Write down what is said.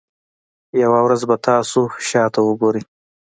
یوه ورځ به تاسو شاته وګورئ.